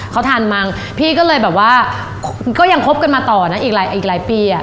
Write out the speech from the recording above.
เขาทันมั้งพี่ก็เลยแบบว่าก็ยังคบกันมาต่อนะอีกหลายอีกหลายปีอ่ะ